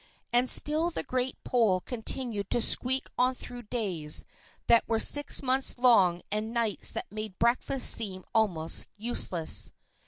And still the great pole continued to squeak on through days that were six months long and nights that made breakfast seem almost useless.